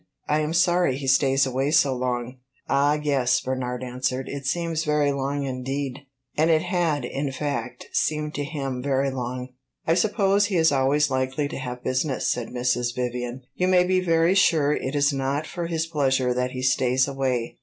"I am sorry he stays away so long." "Ah yes," Bernard answered, "it seems very long indeed." And it had, in fact, seemed to him very long. "I suppose he is always likely to have business," said Mrs. Vivian. "You may be very sure it is not for his pleasure that he stays away."